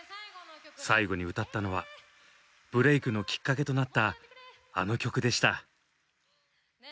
最後に歌ったのはブレークのきっかけとなったあの曲でした。